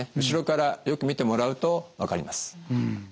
後ろからよく見てもらうと分かります。